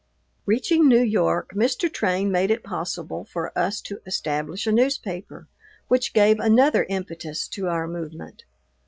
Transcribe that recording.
Reaching New York, Mr. Train made it possible for us to establish a newspaper, which gave another impetus to our movement.